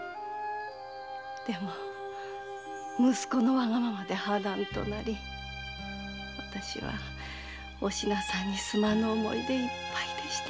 でも息子のワガママで破談となり私はお品さんにすまぬ思いでいっぱいでしてね。